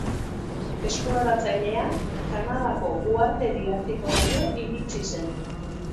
Esploratzailea Kanadako uhartedi artikoraino iritsi zen.